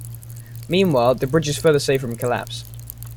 Meanwhile, the bridge is further saved from collapse.